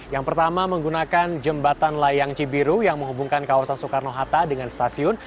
yang pertama menggunakan jembatan layang cibiru yang menghubungkan kawasan soekarno hatta dengan stasiun